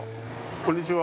こんにちは。